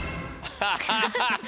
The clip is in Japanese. ハハハハ。